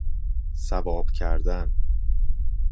صواب کردن